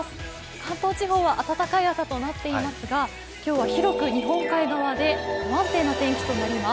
関東地方は暖かい朝となっていますが、今日は広く日本海側で不安定な天気となります。